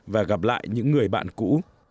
và gặp lại những người bạn cũ